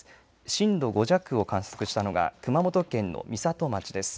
震度５弱を観測したのが熊本県の美里町です。